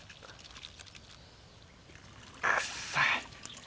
臭っさい。